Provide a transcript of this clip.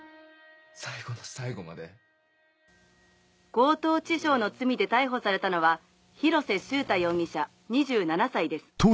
強盗致傷の罪で逮捕されたのは広瀬秀太容疑者２７歳です。